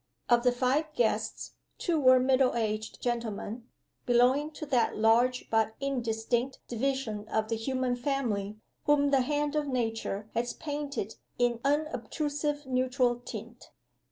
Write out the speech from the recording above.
Of the five guests, two were middle aged gentlemen belonging to that large, but indistinct, division of the human family whom the hand of Nature has painted in unobtrusive neutral tint.